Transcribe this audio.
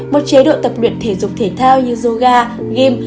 một chế độ tập luyện thể dục thể thao như yoga game